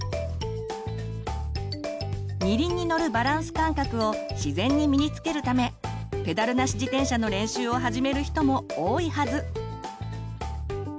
「二輪」に乗るバランス感覚を自然に身につけるためペダルなし自転車の練習を始める人も多いはず。